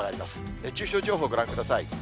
熱中症情報、ご覧ください。